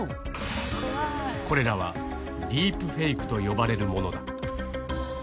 これらはディープフェイクと呼ばれるものだ。